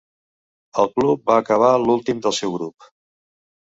El club va acabar l'últim del seu grup.